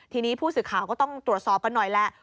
ทีนี้ผู้สื่อข่าวก็ต้องตรวจสอบกันหน่อยแหละ